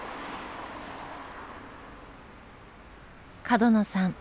角野さん